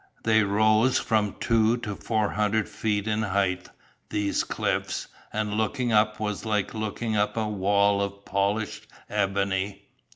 They rose from two to four hundred feet in height, these cliffs, and looking up was like looking up a wall of polished ebony.